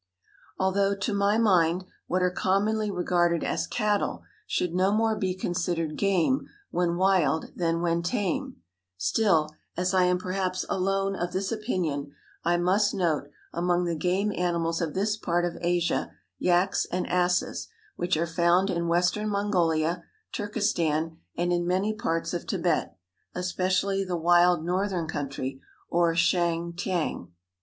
Although, to my mind, what are commonly regarded as cattle should no more be considered game when wild than when tame, still, as I am perhaps alone of this opinion, I must note, among the game animals of this part of Asia, yaks and asses, which are found in western Mongolia, Turkestan and in many parts of Tibet, especially the wild northern country, or Chang t'ang.